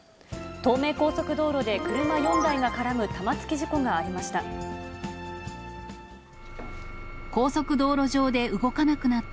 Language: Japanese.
東名高速道路で車４台が絡む玉突き事故がありました。